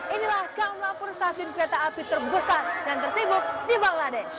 inilah kaum lapor safin kereta api terbesar dan tersibuk di bangladesh